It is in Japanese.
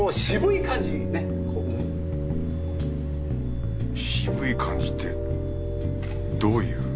渋い感じってどういう？